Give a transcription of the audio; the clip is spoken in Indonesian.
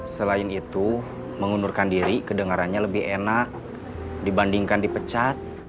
selain itu mengundurkan diri kedengarannya lebih enak dibandingkan dipecat